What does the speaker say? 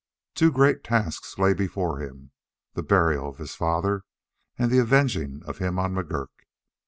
Two great tasks lay before him: the burial of his father and the avenging of him on McGurk.